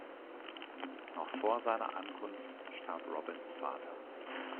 Noch vor seiner Ankunft starb Robins Vater.